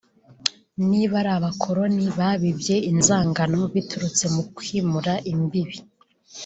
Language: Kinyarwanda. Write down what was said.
niba ari abakoroni babibye inzangano biturutse mu kwimura imbibe